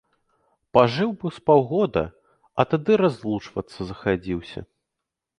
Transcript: Пажыў быў з паўгода, а тады разлучвацца захадзіўся.